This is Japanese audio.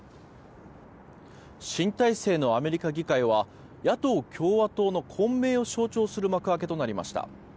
新体制のアメリカ議会は野党・共和党の混迷を象徴する幕開けとなりました。